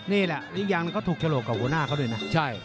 นี่แหละอีกอย่างหนึ่งก็ถูกฉลกกับหัวหน้าเขาด้วยนะ